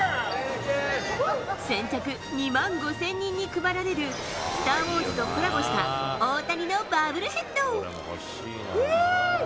先着２万５０００人に配られるスター・ウォーズとコラボしたやったー！